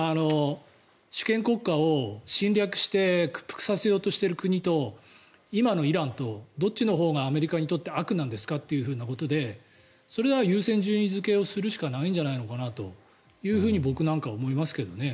主権国家を侵略して屈服させようとしている国と今のイランとどっちのほうがアメリカにとって悪なんですかということでそれは優先順位付けをするしかないんじゃないかなと僕なんかは思いますけどね。